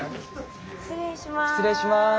失礼します。